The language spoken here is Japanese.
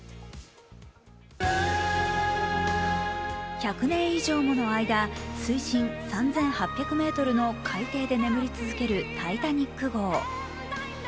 １００年以上もの間、水深３８００ｍの海底で眠り続ける「タイタニック」号。